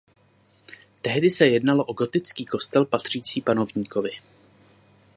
Tehdy se jednalo o gotický kostel patřící panovníkovi.